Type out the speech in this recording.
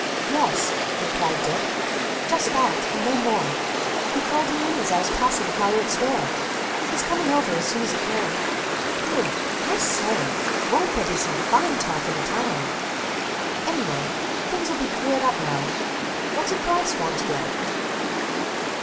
"Yes," replied Dick. "Just that and no more. He called me in as I was passing Folliot's door. He's coming over as soon as he can. Whew! I say, won't there be some fine talk in the town! Anyway, things'll be cleared up now. What did Bryce want here?"